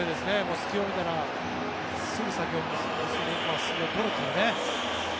隙を見たらすぐ先を取るというね。